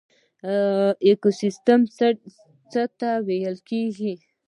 ایکوسیستم څه ته ویل کیږي